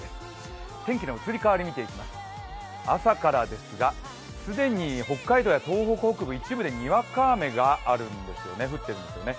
天気の移り変わりを見ていきましょう、朝からですが、既に北海道や東北北部、一部でにわか雨が降っているんですよね。